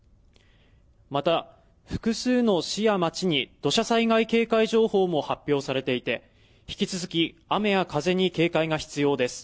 また複数の市や町に土砂災害警戒情報も発表されていて引き続き雨や風に警戒が必要です